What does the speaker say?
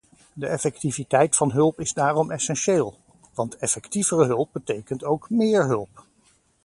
De effectiviteit van hulp is daarom essentieel, want effectievere hulp betekent ook méér hulp.